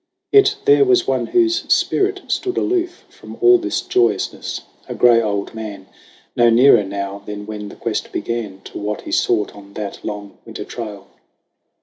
Yet there was one whose spirit stood aloof From all this joyousness a gray old man, No nearer now than when the quest began To what he sought on that long winter trail.